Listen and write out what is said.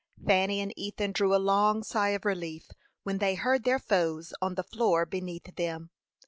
Fanny and Ethan drew a long sigh of relief when they heard their foes on the floor beneath them.